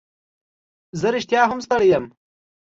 زه رښتیا هم ستړی وم.